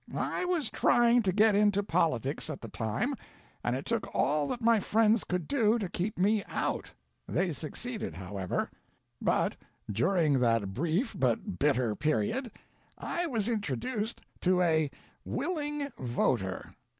I was trying to get into politics at the time and it took all that my friends could do to keep me out. They succeeded, however, but during that brief but bitter period I was introduced to 'a willing voter.'